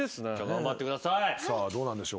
頑張ってください。